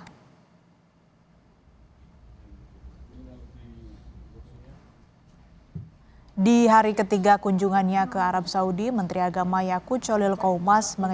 hai di hari ketiga kunjungannya ke arab saudi menteri agama ya qul cholil qawmas